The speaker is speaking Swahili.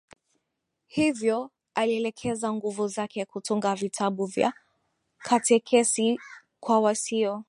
Hivyo alielekeza nguvu zake kutunga vitabu vya katekesi kwa wasio